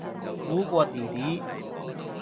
苦過弟弟